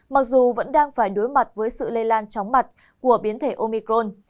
mặc dù vẫn đang phải đối mặt với sự lây lan chóng mặt của biến thể omicron